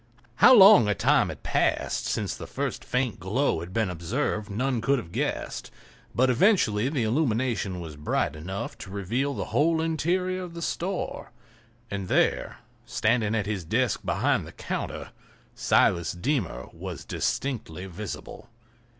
How long a time had passed since the first faint glow had been observed none could have guessed, but eventually the illumination was bright enough to reveal the whole interior of the store; and there, standing at his desk behind the counter, Silas Deemer was distinctly visible!